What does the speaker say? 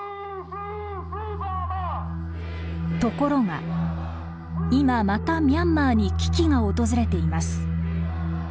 ところが今またミャンマーに危機が訪れています。